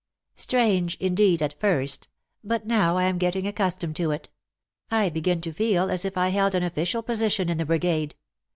" Strange, indeed, at first but now I am getting accustomed to it. I begin to feel as if I held an of ficial position in the brigade.